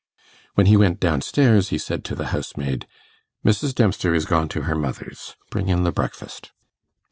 When he went down stairs he said to the housemaid, 'Mrs. Dempster is gone to her mother's; bring in the breakfast.